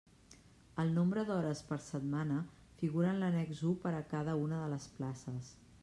El nombre d'hores per setmana figura en l'annex u per a cada una de les places.